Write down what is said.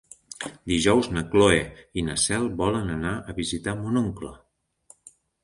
Dijous na Cloè i na Cel volen anar a visitar mon oncle.